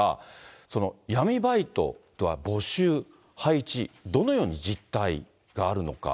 その闇バイトとは、募集、配置、どのような実態があるのか。